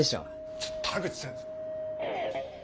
・ちょっ田口先生。